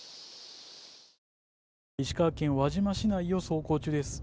石川県輪島市内を走行中です。